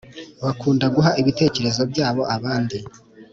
bakunda guha bitekerezo byabo abandi